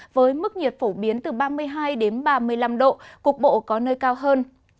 với mức nhiệt phổ biến từ ba mươi hai đến ba mươi năm độ cục bộ có nơi cao hơn